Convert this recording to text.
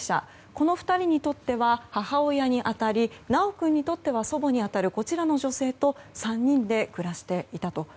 この２人にとっては母親に当たり修君にとっては祖母に当たるこちらの女性と３人で暮らしていたと。